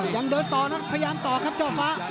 ยังเดินต่อนะพยายามต่อครับเจ้าฟ้า